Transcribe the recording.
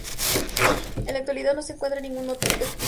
En la actualidad no se encuentra ninguno activo.